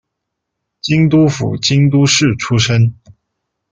京都府京都市出身。